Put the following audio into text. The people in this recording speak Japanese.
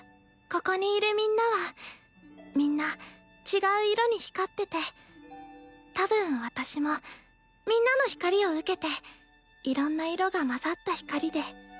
ここにいるみんなはみんな違う色に光っててたぶん私もみんなの光を受けていろんな色が混ざった光で。